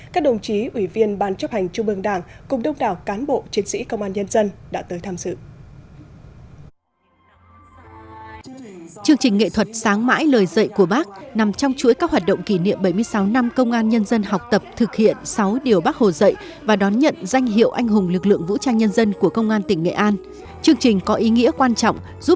các đồng chí ủy viên ban chấp hành trung bương đảng cục đông đảo cán bộ chiến sĩ công an nhân dân đã tới tham dự